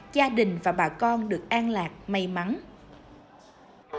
gia đình và bà con được an lạc may mắn